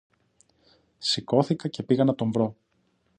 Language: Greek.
Σηκώθηκα και πήγα να τον βρω